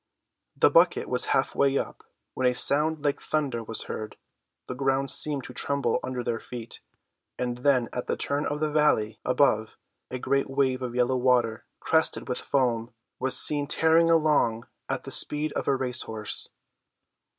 The bucket was half way up when a sound like thunder was heard, the ground seemed to tremble under their feet, and then at the turn of the valley above, a great wave of yellow water, crested with foam, was seen tearing along at the speed of a race horse.